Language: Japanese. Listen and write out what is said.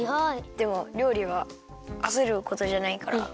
でもりょうりはあせることじゃないから。